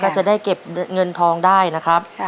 ก็จะได้เก็บเงินทองได้นะครับ